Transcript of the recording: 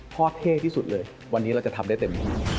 เท่ที่สุดเลยวันนี้เราจะทำได้เต็มที่